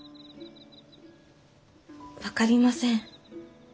分かりません。